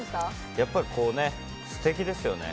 やっぱりステキですよね。